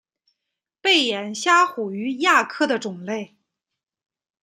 背眼虾虎鱼亚科的种类。